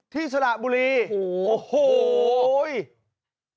ที่ฉลาบบุรีพี่โอ้โฮโอ้โห